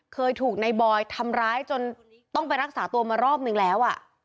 เคยถูกในบอยทำร้ายจนต้องไปรักษาตัวมารอบนึงแล้ว